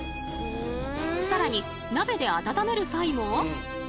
更に鍋で温める際も。